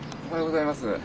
おはようございます。